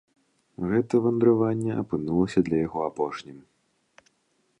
Гэта вандраванне апынулася для яго апошнім.